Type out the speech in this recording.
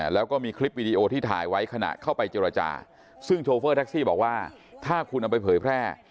แล้วก็มีคลิปวิดีโอที่ถ่ายไว้ขณะเข้าไปจราจา